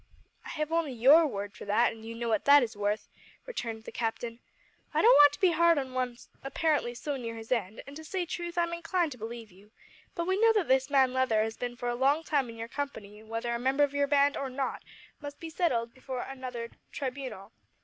"I have only your word for that, and you know what that is worth," returned the captain. "I don't want to be hard on one apparently so near his end, and to say truth, I'm inclined to believe you, but we know that this man Leather has been for a long time in your company whether a member of your band or not must be settled before another tribunal.